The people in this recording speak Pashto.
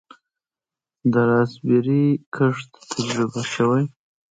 د راسبیري کښت تجربه شوی؟